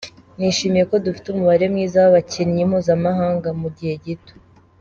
Nishimiye ko dufite umubare mwiza w’abakinnyi mpuzamahanga mu gihe gito.